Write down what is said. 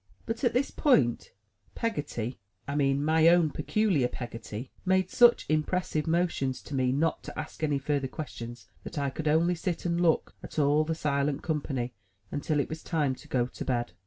But at this point, Peggotty — I mean my own peculiar Peg gotty — ^made such impressive motions to me not to ask any further questions, that I could only sit and look at all the silent company, until it was time to go to bed.